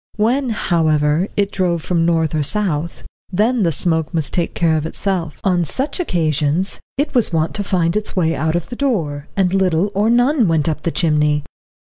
When, however, it drove from north or south, then the smoke must take care of itself. On such occasions it was wont to find its way out of the door, and little or none went up the chimney.